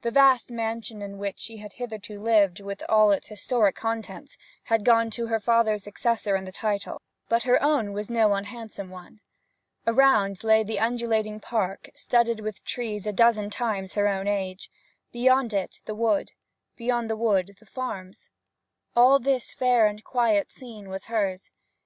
The vast mansion in which she had hitherto lived, with all its historic contents, had gone to her father's successor in the title; but her own was no unhandsome one. Around lay the undulating park, studded with trees a dozen times her own age; beyond it, the wood; beyond the wood, the farms. All this fair and quiet scene was hers.